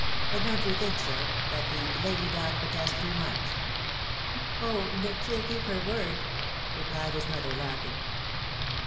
... But don't you think, sir, that ' the lady doth protest too much ?'"" Oh ! but she'll keep her word/' •... replied his mother, laughing.